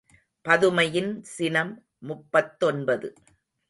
பதுமையின் சினம் முப்பத்தொன்பது.